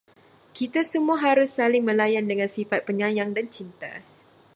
Kita semua harus saling melayan dengan sifat penyayang dan cinta